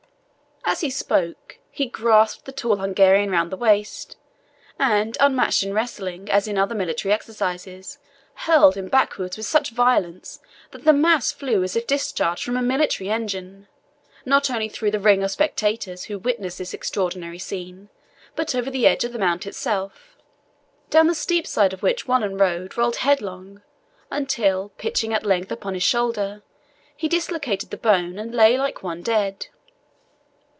As he spoke, he grasped the tall Hungarian round the waist, and, unmatched in wrestling, as in other military exercises, hurled him backwards with such violence that the mass flew as if discharged from a military engine, not only through the ring of spectators who witnessed the extraordinary scene, but over the edge of the mount itself, down the steep side of which Wallenrode rolled headlong, until, pitching at length upon his shoulder, he dislocated the bone, and lay like one dead.